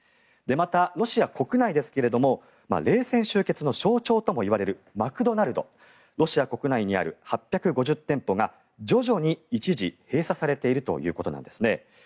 また、ロシア国内ですが冷戦終結の象徴ともいわれるマクドナルドロシア国内にある８５０店舗が徐々に一時閉鎖されているということなんですね。